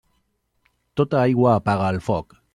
Tota aigua apaga el foc.